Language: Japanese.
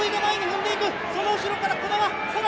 その後ろから児玉！